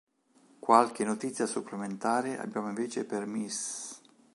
Qualche notizia supplementare abbiamo invece per Mys.